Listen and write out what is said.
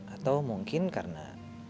atau mungkin karena